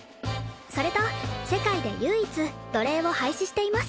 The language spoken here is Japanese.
それと世界で唯一奴隷を廃止しています